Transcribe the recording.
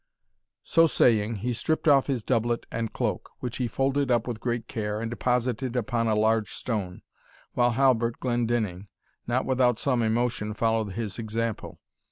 So saying, he stripped off his doublet and cloak, which he folded up with great care, and deposited upon a large stone, while Halbert Glendinning, not without some emotion, followed his example.